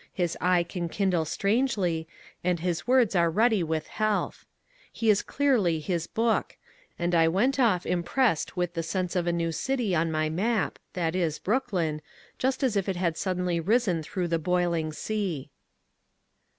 His eye can kindle strangely ; and his words are ruddy with health. He is clearly his Book, — and I went off impressed with the sense of a new city on my map, viz., Brooklyn, just as if it had suddenly risen through the boiling sea.